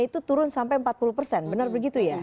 itu turun sampai empat puluh persen benar begitu ya